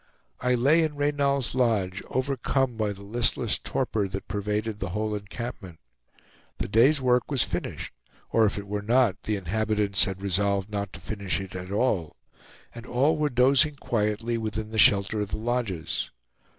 I lay in Reynal's lodge, overcome by the listless torpor that pervaded the whole encampment. The day's work was finished, or if it were not, the inhabitants had resolved not to finish it at all, and all were dozing quietly within the shelter of the lodges.